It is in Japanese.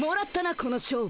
この勝負。